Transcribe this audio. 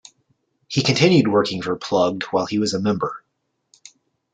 He continued working for "plugged" while he was a member.